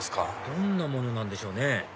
どんなものなんでしょうね？